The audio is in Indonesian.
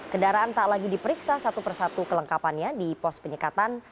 kendaraan tak lagi diperiksa satu persatu kelengkapannya di pos penyekatan